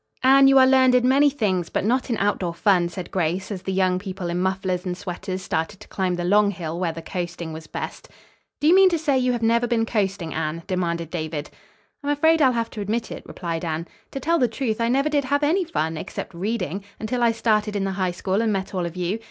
"Anne, you are learned in many things, but not in outdoor fun," said Grace as the young people in mufflers and sweaters started to climb the long hill where the coasting was best. "Do you mean to say you have never been coasting, Anne?" demanded David. "I'm afraid I'll have to admit it," replied Anne. "To tell the truth, I never did have any fun, except reading, until I started in the High School and met all of you.